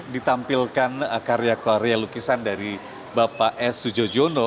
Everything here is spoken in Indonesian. ditampilkan karya karya lukisan dari bapak e sujoyono